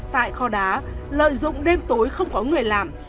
tại kho đá lợi dụng đêm tối không có người làm